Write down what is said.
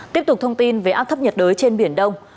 tiếp tục thông tin về áp thấp nhiệt đới trên biển đông